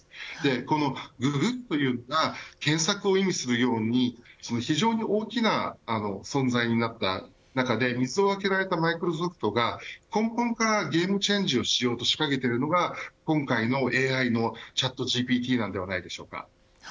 このググるという言葉が検索を意味するように非常に大きな存在になった中で水をあげられたマイクロソフトが根本からゲームチェンジをしようとしかけているのが今回のＡＩのＣｈａｔＧＰＴなんじゃないでしょうか。